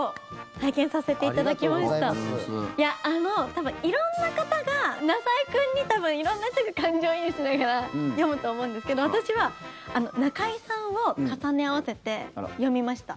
多分、色んな方がなさいくんに多分、色んな人が感情移入しながら読むと思うんですけど私は中居さんを重ね合わせて読みました。